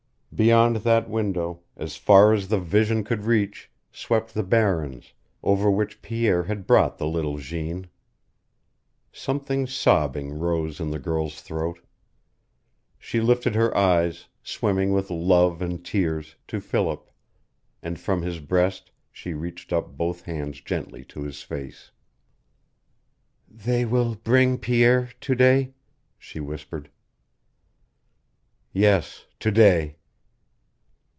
Beyond that window, as far as the vision could reach, swept the barrens, over which Pierre had brought the little Jeanne. Something sobbing rose in the girl's throat. She lifted her eyes, swimming with love and tears, to Philip, and from his breast she reached up both hands gently to his face. "They will bring Pierre to day " she whispered. "Yes to day."